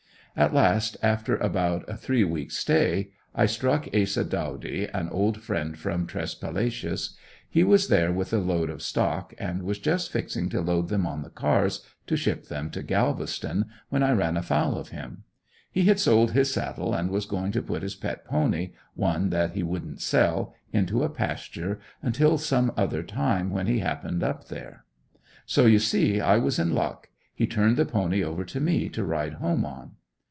At last after about a three weeks stay, I struck Asa Dawdy, an old friend from Tresspalacious. He was there with a load of stock and was just fixing to load them on the cars to ship them to Galveston when I ran afoul of him. He had sold his saddle and was going to put his pet pony, one that he wouldn't sell, into a pasture until some other time when he happened up there. So you see I was in luck, he turned the pony over to me to ride home on.